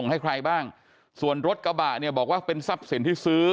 ให้ใครบ้างส่วนรถกระบะเนี่ยบอกว่าเป็นทรัพย์สินที่ซื้อ